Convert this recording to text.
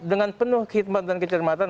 dengan penuh khidmat dan kecermatan